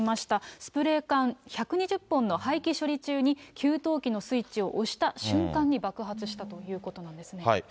スプレー缶１２０本の廃棄処理中に、給湯器のスイッチを押した瞬間に爆発したということなんですね。